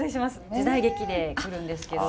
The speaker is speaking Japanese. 時代劇で来るんですけど。